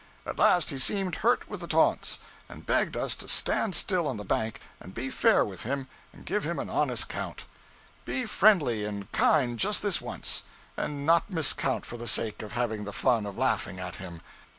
At last he seemed hurt with the taunts, and begged us to stand still on the bank and be fair with him and give him an honest count 'be friendly and kind just this once, and not miscount for the sake of having the fun of laughing at him.'